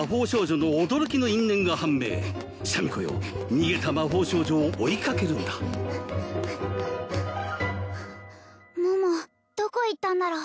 逃げた魔法少女を追いかけるんだ桃どこへ行ったんだろう